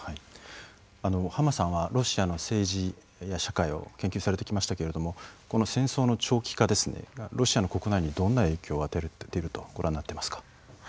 浜さんはロシアの政治や社会を研究されてきましたけど戦争の長期化がロシアの国内にどんな影響を与えているとご覧になっていますか？